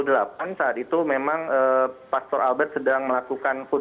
dan saat itu memang pastor albert sedang melakukan kudus